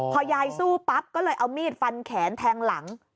พอยายสู้ปั๊บก็เลยเอามีดฟันแขนแทงหลัง